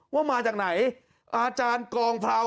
ว่ามาจากไหนอาจารย์กองพราว